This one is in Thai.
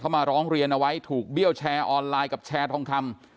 มาร้องเรียนเอาไว้ถูกเบี้ยวแชร์ออนไลน์กับแชร์ทองคำ